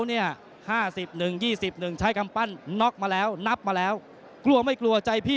มีการชิงแชมป์๑๔๗ปอนด์ที่ว่างอยู่ของศึกยอดมวยไทยรัฐนะครับ